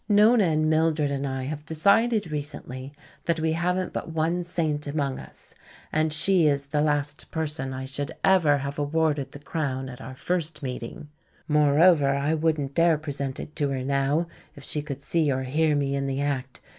"Nona and Mildred and I have decided recently that we haven't but one saint among us. And she is the last person I should ever have awarded the crown at our first meeting. Moreover, I wouldn't dare present it to her now, if she could see or hear me in the act.